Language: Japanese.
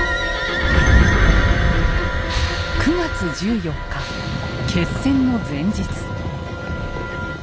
９月１４日決戦の前日。